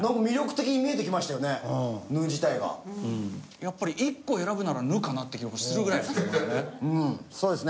やっぱり１個選ぶなら「ぬ」かなって気がするぐらいですね。